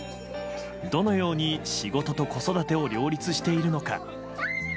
どのように仕事と子育てを両立しているのか。